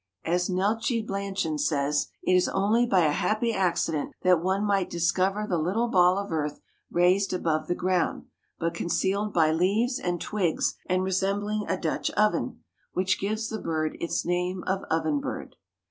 As Neltje Blanchan says, "it is only by a happy accident" that one might "discover the little ball of earth raised above the ground, but concealed by leaves and twigs and resembling a Dutch oven, which gives the bird its name of oven bird."